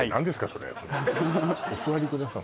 それお座りください